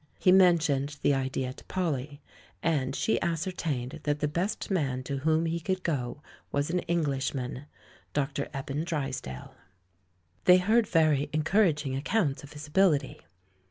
He mentioned the idea to Polly, and she ascertained that the best man to whom he could go was an Englishman — Dr. Eben Drysdale. 146 THE MAN WHO UNDERSTOOD WOMEN They heard very encouraging accounts of his ability.